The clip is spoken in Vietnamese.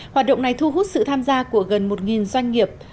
hoạt động này thu hút sự tham gia của gần một doanh nghiệp